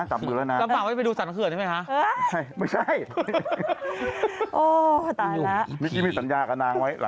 เจ็บเจ็บโชคบ้วย